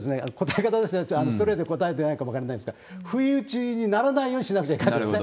ちょっと答え方としては、ストレートに答えてないかも分からないですが、不意打ちにならないようにしなくちゃいけないんですね。